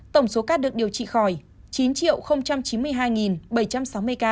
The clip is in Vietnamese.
tổng số ca được điều trị khỏi chín chín mươi hai bảy trăm sáu mươi ca